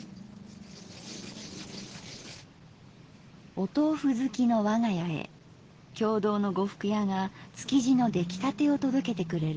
「お豆腐好きのわが家へ経堂の呉服屋が築地の出来たてを届けてくれる。